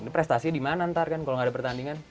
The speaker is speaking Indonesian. prestasinya dimana ntar kan kalau nggak ada pertandingan